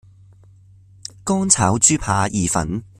乾炒豬扒意粉